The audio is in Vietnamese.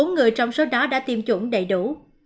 bốn người trong số đó đã tiêm chủng đầy đủ